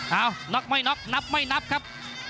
เอ้านับไม่นับนับไม่นับครับ